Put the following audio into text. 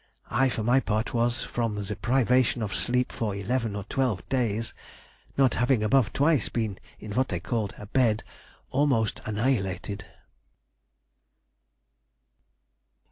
I for my part was, from the privation of sleep for eleven or twelve days (not having above twice been in what they called a bed) almost annihilated."